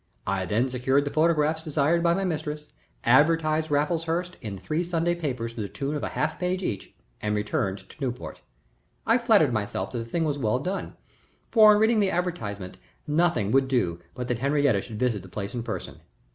I then secured the photographs desired by my mistress, advertised Raffleshurst in three Sunday newspapers to the tune of a half page each, and returned to Newport. I flattered myself that the thing was well done, for on reading the advertisement nothing would do but that Henriette should visit the place in person.